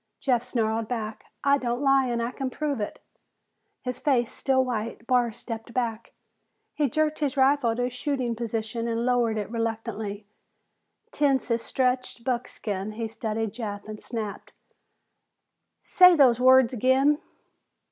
Jeff snarled back, "I don't lie and I can prove it!" His face still white, Barr stepped back. He jerked his rifle to shooting position and lowered it reluctantly. Tense as stretched buckskin, he studied Jeff and snapped, "Say those words ag'in!"